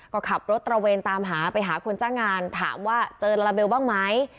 ก็ขับรถตระเวนตามหาไปหาคนจ้างงานถามว่าเจอลาลาเบลบ้างไหม